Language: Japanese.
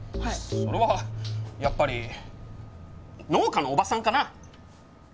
それはやっぱり農家のおばさんかな？